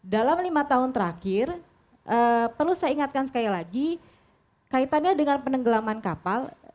dalam lima tahun terakhir perlu saya ingatkan sekali lagi kaitannya dengan penenggelaman kapal